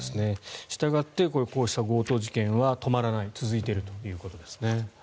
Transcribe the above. したがってこうした強盗事件は止まらない続いているということですね。